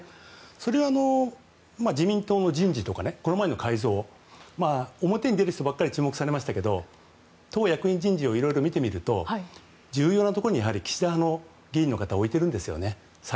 それが自民党の人事とかこの前の改造表に出る人ばかり注目されましたけど党役員人事を見てみると重要なところに岸田派の議員の方を置いてるんですね。